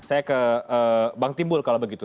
saya ke bang timbul kalau begitu